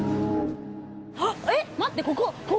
えっ待ってここ！